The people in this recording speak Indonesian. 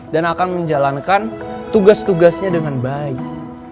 dan akan menjalankan tugas tugasnya dengan baik